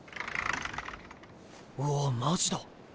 うわっマジだ。